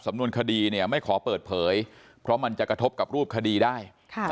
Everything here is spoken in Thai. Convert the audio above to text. นวนคดีเนี่ยไม่ขอเปิดเผยเพราะมันจะกระทบกับรูปคดีได้